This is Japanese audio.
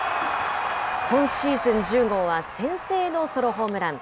今シーズン１０号は先制のソロホームラン。